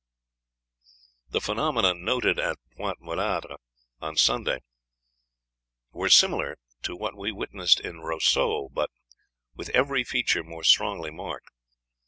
The phenomena noted at Pointe Mulâtre on Sunday were similar to what we witnessed in Roseau, but with every feature more strongly marked.